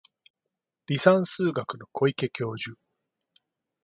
離散数学の小池教授